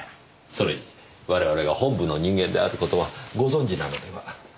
それに我々が本部の人間である事はご存じなのでは。